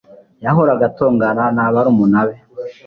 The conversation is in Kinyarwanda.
yahoraga atongana na barumuna be